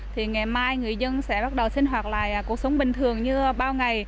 thì ngày mai người dân sẽ bắt đầu sinh hoạt lại cuộc sống bình thường như bao ngày